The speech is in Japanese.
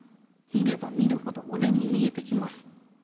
見れば見るほどおでんに見えてきます。